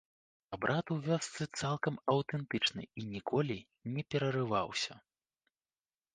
Абрад у вёсцы цалкам аўтэнтычны і ніколі не перарываўся.